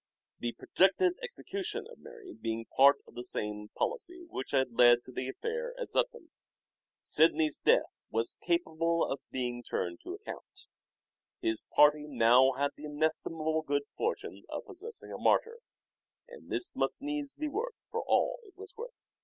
The projected execution of Mary being part of the same policy which had led to the affair at Zutphen, Sidney's death was capable of being 354 " SHAKESPEARE " IDENTIFIED turned to account. His party now had the inestim able good fortune of possessing a martyr, and this must needs be worked for all it was worth.